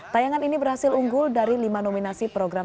tayangan ini berhasil unggul dari lima nominasi program